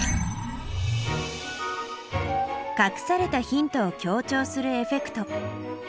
かくされたヒントを強調するエフェクト。